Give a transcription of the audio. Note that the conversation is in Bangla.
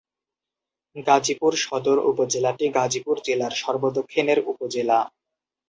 গাজীপুর সদর উপজেলাটি গাজীপুর জেলার সর্ব দক্ষিণের উপজেলা।